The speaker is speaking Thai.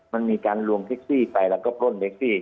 มันมีการลวงเท็กซี่ไปแล้วก็ปล้นเท็กซี่